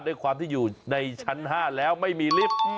ด้วยความที่อยู่ในชั้น๕แล้วไม่มีลิฟต์